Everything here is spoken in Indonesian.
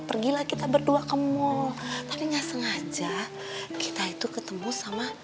pergilah kita berdua ke mall tapi nggak sengaja kita itu ketemu sama